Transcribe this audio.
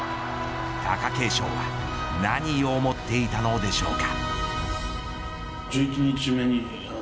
貴景勝は何を思っていたのでしょうか。